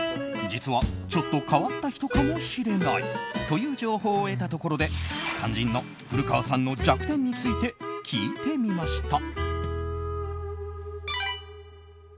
実はちょっと変わった人かもしれないという情報を得たところで肝心の古川さんの弱点について聞いてみました。